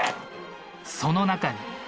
その中に。